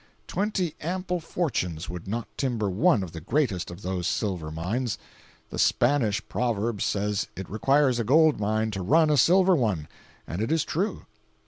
Twenty ample fortunes would not timber one of the greatest of those silver mines. The Spanish proverb says it requires a gold mine to "run" a silver one, and it is true.